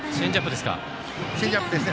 チェンジアップですね。